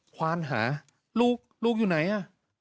ควานหาลูกอยู่ไหนอ่ะ